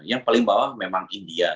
yang paling bawah memang india